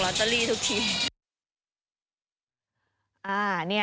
ตเตอรี่ทุกที